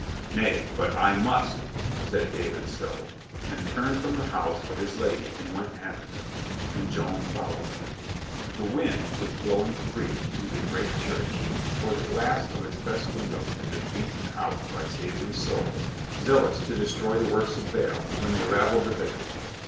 "Nay, but I must," said David Stow, and turned from the house of his lady and went after them. And Joan followed him. The wind was blowing free through the great LUCINDA IS WED 289 church, for the glass of its best windows had been beaten out by savory souls, zealous to destroy the works of Baal, when they rabbled the vicar.